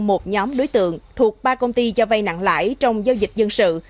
một nhóm đối tượng thuộc ba công ty cho vay nặng lãi trong giao dịch dân sự